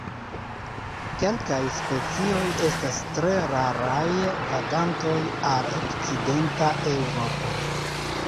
Kelkaj specioj estas tre raraj vagantoj al okcidenta Eŭropo.